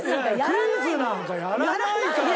クイズなんかやらないから。